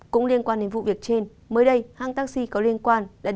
cũng liên quan đến vụ việc trên mới đây hãng taxi có liên quan